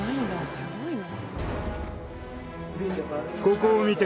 すごいな。